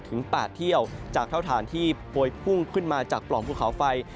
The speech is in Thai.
ถึง๘เที่ยวจากเท่าฐานที่โพยพุ่งขึ้นมาจากปล่องภูเขาไฟ